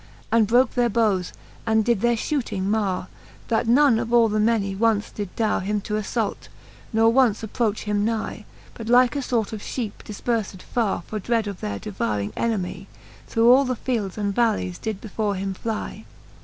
And broke their bowes, and did their fhooting marre. That none of all the many once did darre Him to alTault, nor once approach him nie. But like a lort of fheepe difperfed farre For dread of their devouring enemie. Through all the fields and vallies did before him flie.